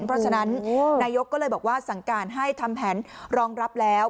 เพราะฉะนั้นนายกก็เลยบอกว่าสั่งการให้ทำแผนรองรับแล้ว